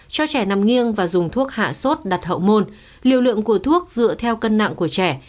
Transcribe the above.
cho trẻ nằm nghiêng và dùng thuốc hạ sốt đặt hậu môn liều lượng của thuốc dựa theo cân nặng của trẻ